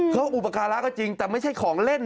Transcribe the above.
เขาอุปการะก็จริงแต่ไม่ใช่ของเล่น